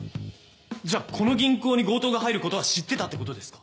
じゃあこの銀行に強盗が入ることは知ってたってことですか？